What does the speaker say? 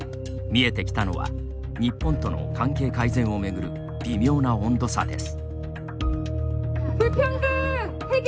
見えてきたのは、日本との関係改善を巡る微妙な温度差です。